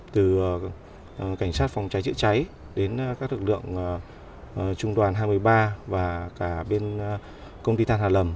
từ cảnh sát phòng cháy chữa cháy đến các lực lượng trung đoàn hai mươi ba và công ty tàn hà lầm